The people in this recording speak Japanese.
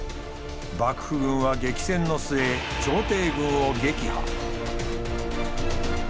幕府軍は激戦の末朝廷軍を撃破。